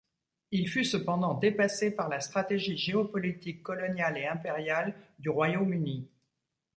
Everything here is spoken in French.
Il fut cependant dépassé par la stratégie géopolitique coloniale et impériale du Royaume-Uni.